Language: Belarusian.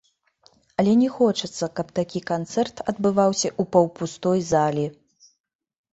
Але не хочацца, каб такі канцэрт адбываўся ў паўпустой залі.